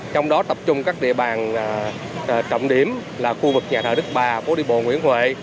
trong đó tập trung các địa bàn trọng điểm là khu vực nhà thờ đức bà phố đi bộ nguyễn huệ